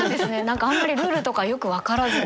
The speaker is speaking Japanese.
何かあんまりルールとかよく分からずに。